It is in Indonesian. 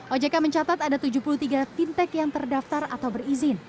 ojk mencatat ada tujuh puluh tiga fintech yang terdaftar atau berizin